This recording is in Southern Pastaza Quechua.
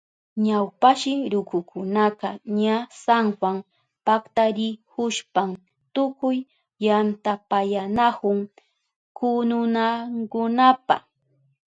Ñawpashi rukukunaka ña San Juan paktarihushpan tukuy yantapayanahun kununankunapa.